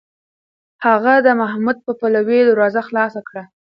هغه د محمود په پلوۍ دروازه خلاصه کړه.